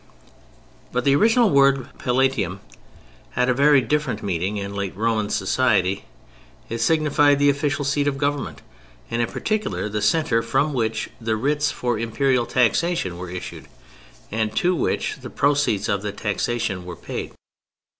But the original word Palatium had a very different meaning in late Roman society. It signified the official seat of Government, and in particular the centre from which the writs for Imperial taxation were issued, and to which the proceeds of that taxation were paid.